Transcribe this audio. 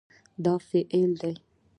دا فعل دی